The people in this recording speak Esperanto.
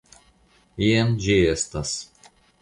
Jen ĝi estas.